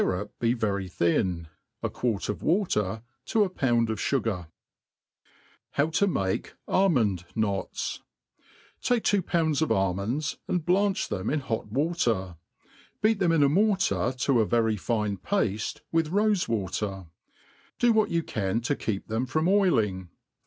rup be very thin, a quart of water to a pound of fugar* HdW to mah' Almond Knots* "^ TAKE twa pounds of almonds, and blanch them in hot water ; beat them in a mortar, to a very fine pafte, with rofe water'; do what you can to keep them from oiling.